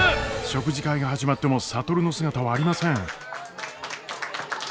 食事会が始まっても智の姿はありません。